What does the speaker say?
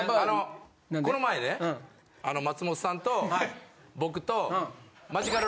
この前ね松本さんと僕と。